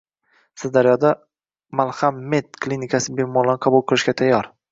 Sirdaryoda "Malham med" klinikasi bemorlarni qabul qilishga tayyor